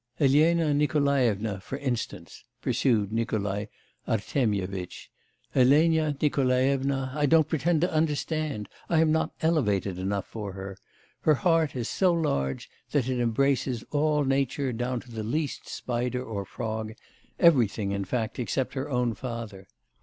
'Elena Nikolaevna, for instance,' pursued Nikolai Artemyevitch, 'Elena Nikolaevna I don't pretend to understand. I am not elevated enough for her. Her heart is so large that it embraces all nature down to the least spider or frog, everything in fact except her own father.